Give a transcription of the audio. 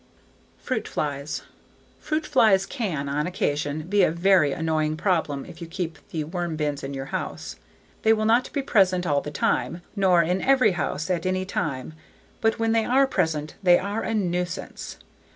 Fruit Flies Fruit flies can, on occasion, be a very annoying problem if you keep the worm bins in your house. They will not be present all the time nor in every house at any time but when they are present they are a nuisance.